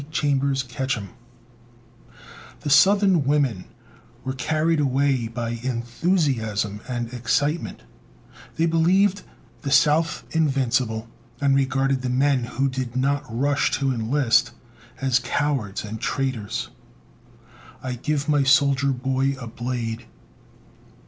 ANNIE CHAMBERS KETCHUM. The Southern women were carried away by enthusiasm and excitement. They believed the South invincible, and regarded the men who did not rush to enlist as cowards and traitors. "I GIVE MY SOLDIER BOY A BLADE!"